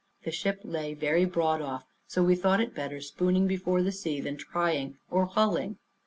The ship lay very broad off, so we thought it better spooning before the sea, than trying or hulling.